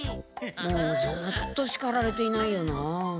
もうずっとしかられていないよな。